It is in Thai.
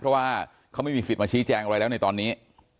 เพราะว่าเขาไม่มีสิทธิ์มาชี้แจงอะไรแล้วในตอนนี้